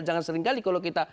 jangan seringkali kalau kita